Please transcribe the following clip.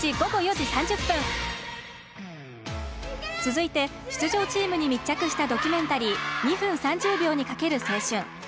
続いて、出場チームに密着したドキュメンタリー「２分３０秒にかける青春！」。